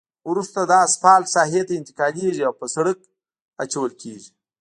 وروسته دا اسفالټ ساحې ته انتقالیږي او په سرک اچول کیږي